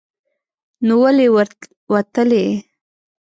نو ولې ور وتلې